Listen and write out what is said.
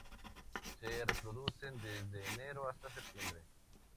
Se reproducen desde enero hasta septiembre.